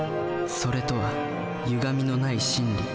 「それ」とはゆがみのない真理。